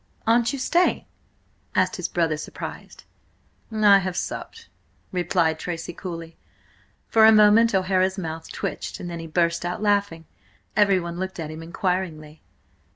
"Aren't you staying?" asked his brother, surprised. "I have supped," replied Tracy coolly. For a moment O'Hara's mouth twitched, and then he burst out laughing. Everyone looked at him inquiringly.